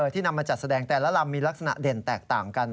นำมาจัดแสดงแต่ละลำมีลักษณะเด่นแตกต่างกัน